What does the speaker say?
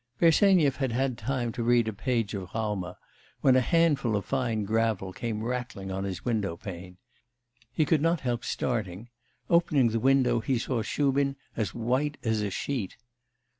Bersenyev had had time to read a page of Raumer, when a handful of fine gravel came rattling on his window pane. He could not help starting; opening the window he saw Shubin as white as a sheet.